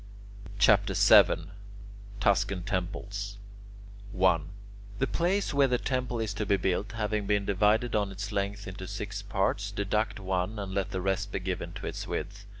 CHAPTER VII TUSCAN TEMPLES 1. The place where the temple is to be built having been divided on its length into six parts, deduct one and let the rest be given to its width.